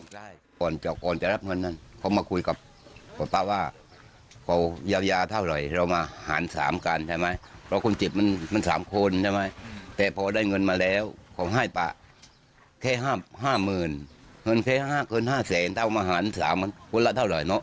แค่๕๐๐๐๐บาทเกิน๕เสนถ้าว่ามาหานักศึกษาคนละเท่าไหร่เนอะ